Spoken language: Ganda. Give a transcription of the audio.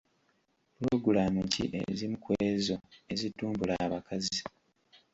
Pulogulaamu ki ezimu ku ezo ezitumbula abakazi?